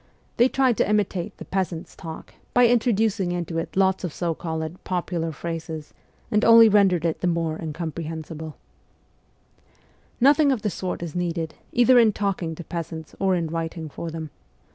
They tried to imitate the ' peasants' talk,' by introducing into it lots of so called ' popular phrases ' and only rendered it the more incomprehensible. THE CORPS OF PAGES 123 Nothing of the sort is needed, either in talking to peasants or in writing for them.